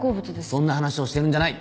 そんな話をしてるんじゃない！